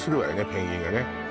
ペンギンがね